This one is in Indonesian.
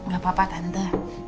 gak apa apa tante